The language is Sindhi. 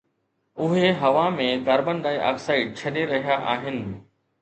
اهي هوا ۾ ڪاربان ڊاءِ آڪسائيڊ ڇڏي رهيا آهن